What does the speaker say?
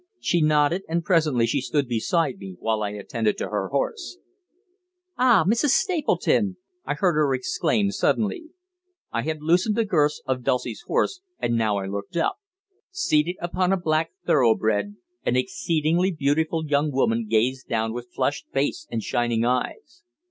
She nodded, and presently she stood beside me while I attended to her horse. "Ah, Mrs. Stapleton!" I heard her exclaim suddenly. I had loosened the girths of Dulcie's horse, and now I looked up. Seated upon a black thoroughbred, an exceedingly beautiful young woman gazed down with flushed face and shining eyes.